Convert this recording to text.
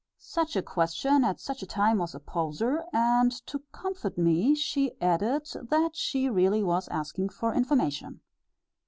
Such a question at such a time was a poser, and, to comfort me, she added, that she really was asking for information.